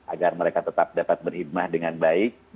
agar mereka tetap dapat berhimah dengan baik